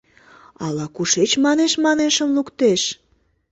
Ала-кушеч манеш-манешым луктеш?!